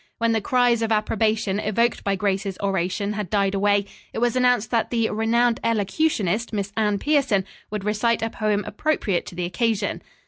When the cries of approbation evoked by Grace's oration had died away, it was announced that the "renowned elocutionist," Miss Anne Pierson, would recite a poem appropriate to the occasion.